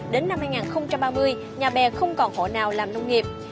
đến năm hai nghìn ba mươi nhà bè không còn hộ nào làm nông nghiệp